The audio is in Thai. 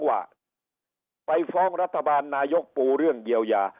ว่าไปฟ้องรัฐบาลนายกปูเรื่องเยียวยา